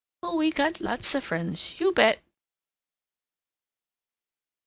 Oh, we got lots of friends. You bet!"